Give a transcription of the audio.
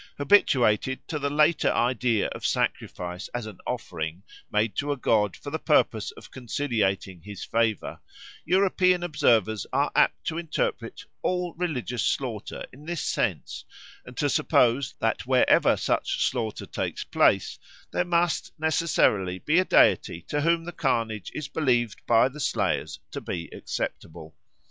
Habituated to the later idea of sacrifice as an offering made to a god for the purpose of conciliating his favour, European observers are apt to interpret all religious slaughter in this sense, and to suppose that wherever such slaughter takes place, there must necessarily be a deity to whom the carnage is believed by the slayers to be acceptable.